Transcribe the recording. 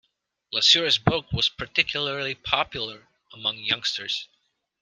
LeSueur's book was particularly popular among youngsters.